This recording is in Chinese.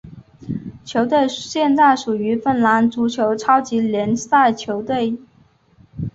球队现在属于芬兰足球超级联赛球队。